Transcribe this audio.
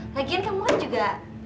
lagian kamu kan juga